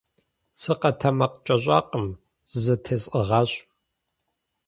СыкъэтэмакъкӀэщӀакъым, зызэтесӀыгъащ.